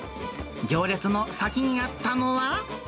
行列の先にあったのは。